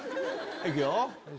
行くよ！